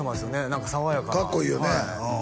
何か爽やかなかっこいいよね